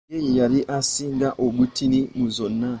Yeyali asinga obutini mu zonna.